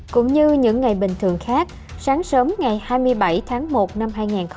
cũng như những ngày bình thường khác sáng sớm ngày hai mươi bảy tháng một năm hai nghìn hai mươi